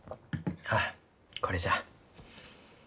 あこれじゃ。